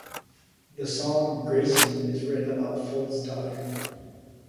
The song "Gracie" is written about Folds' daughter.